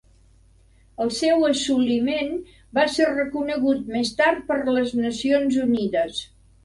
El seu assoliment va ser reconegut més tard per les Nacions Unides.